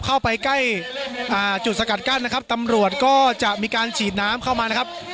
เข้าไปใกล้อ่าจุดสกัดกั้นนะครับตำรวจก็จะมีการฉีดน้ำเข้ามานะครับ